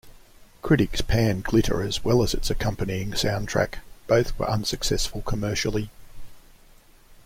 Critics panned "Glitter", as well as its accompanying soundtrack; both were unsuccessful commercially.